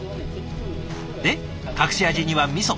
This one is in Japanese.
で隠し味にはみそ。